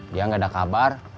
dia gak ada kabar